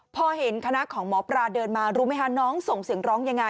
พอเห็นคณะของหมอปลาเดินมารู้ไหมคะน้องส่งเสียงร้องยังไง